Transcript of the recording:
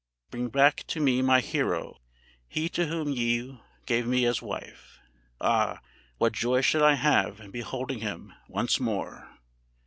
Bring back to me my hero, he to whom you gave me as wife! Ah, what joy should I have in beholding him once more!'"